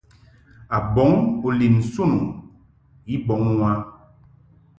A bɔŋ u lin nsun u I kɔŋ u a.